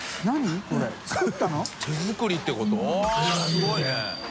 すごいね！